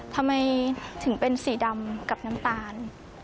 ทำไมถึงเป็นสีดำกับน้ำตาล